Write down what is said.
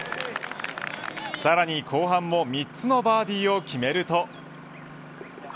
さらに後半も３つのバーディーを決めると。